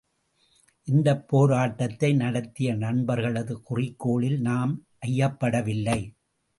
இந்தப் போராட்டத்தை நடத்திய நண்பர்களது குறிக்கோளில் நாம் ஐயப்படவில்லை!